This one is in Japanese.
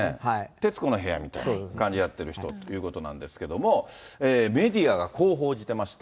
徹子の部屋みたいな感じのをやってる人ということなんですけれども、メディアがこう報じてまして。